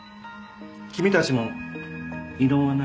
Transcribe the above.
君たちも異論はないな？